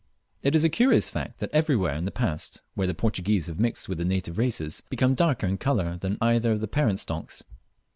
It is a curious fact that everywhere in the Past where the Portuguese have mixed with the native races they leave become darker in colour than either of the parent stocks.